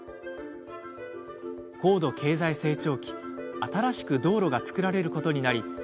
高度経済成長期新しく道路が造られることになり